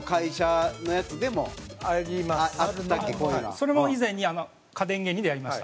それも、以前に家電芸人でやりました。